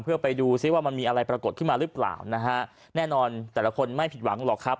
เพื่อไปดูซิว่ามันมีอะไรปรากฏขึ้นมาหรือเปล่านะฮะแน่นอนแต่ละคนไม่ผิดหวังหรอกครับ